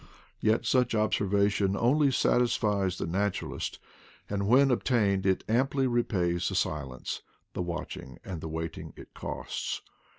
Yet such observation only satisfies the naturalist, and when obtained it amply repays the silence, the watching, and the waiting it costs.